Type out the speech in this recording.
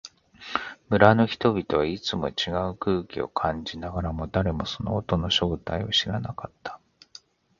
村の人々はいつもと違う空気を感じながらも、誰もその音の正体を知らなかった。